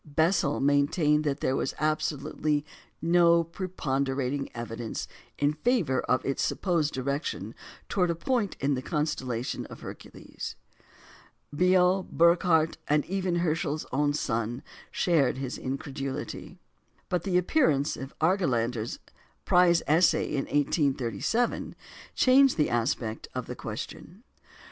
Bessel maintained that there was absolutely no preponderating evidence in favour of its supposed direction towards a point in the constellation Hercules. Biot, Burckhardt, even Herschel's own son, shared his incredulity. But the appearance of Argelander's prize essay in 1837 changed the aspect of the question.